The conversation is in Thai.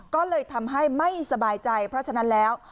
ก็เลยทำให้ไม่สบายใจเพราะฉะนั้นแล้ว